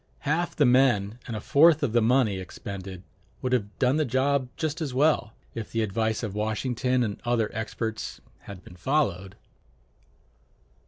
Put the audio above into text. Half the men and a fourth of the money expended would have done the job just as well, if the advice of Washington and other experts had been followed.